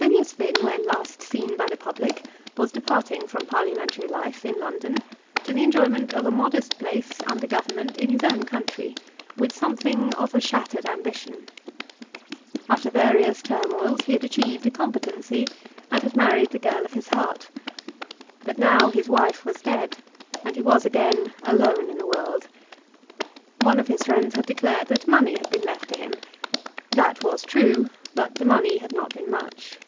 Phineas Finn, when last seen by the public, was departing from parliamentary life in London to the enjoyment of a modest place under Government in his own country, with something of a shattered ambition. After various turmoils he had achieved a competency, and had married the girl of his heart. But now his wife was dead, and he was again alone in the world. One of his friends had declared that money had been left to him. That was true, but the money had not been much.